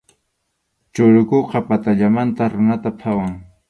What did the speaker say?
Chukuruqa pakallamanta runata qhawan.